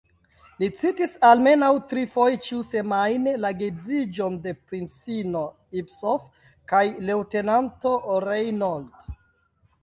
Li citis, almenaŭ trifoje ĉiusemajne, la geedziĝon de princino Ipsof kaj leŭtenanto Reinauld.